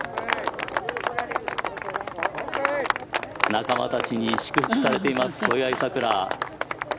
仲間たちに祝福されています小祝さくら。